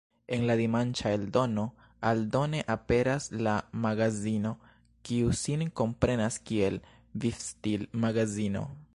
En la dimanĉa eldono aldone aperas la "Magazino", kiu sin komprenas kiel vivstil-magazino.